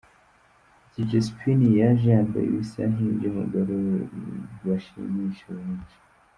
Dj Spin yaje yambaye ibisa nk'iby'umugore we bashimisha benshi.